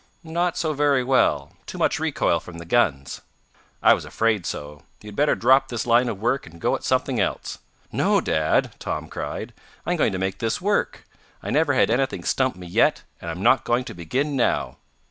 "Not so very well. Too much recoil from the guns." "I was afraid so. You had better drop this line of work, and go at something else." "No, Dad!" Tom cried. "I'm going to make this work. I never had anything stump me yet, and I'm not going to begin now!"